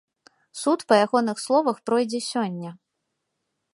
Суд, па ягоных словах, пройдзе сёння.